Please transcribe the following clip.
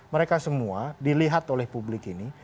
mereka semua dilihat oleh publik ini